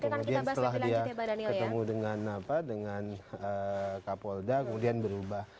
kemudian setelah dia ketemu dengan kapolda kemudian berubah